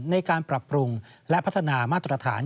ในการปรับปรุงและพัฒนามาตรฐาน